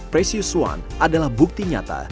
presius one adalah bukti nyata